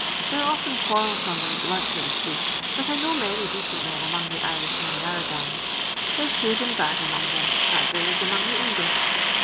They 're often qoarreltome and blood thirsty, but I know many deoent men among the Irishmen in our gangs. There 's good and bad among them, as there is among the English.